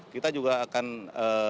kita juga akan tampukkan